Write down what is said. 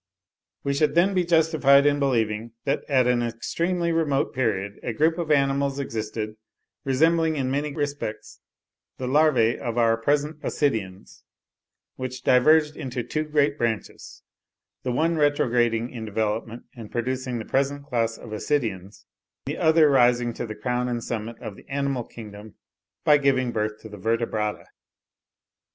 We should then be justified in believing that at an extremely remote period a group of animals existed, resembling in many respects the larvae of our present Ascidians, which diverged into two great branches—the one retrograding in development and producing the present class of Ascidians, the other rising to the crown and summit of the animal kingdom by giving birth to the Vertebrata.